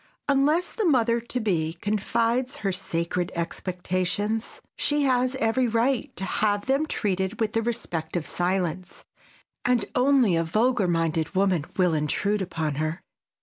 Unless the mother to be confides her sacred expectations, she has every right to have them treated with the respect of silence, and only a vulgar minded woman will intrude upon her.